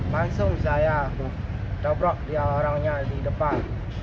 langsung saya dobrok dia orangnya di depan